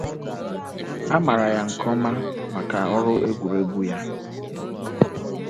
A maara ya nke ọma maka ọrụ egwuregwu ya.